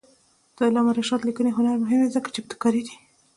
د علامه رشاد لیکنی هنر مهم دی ځکه چې ابتکاري دی.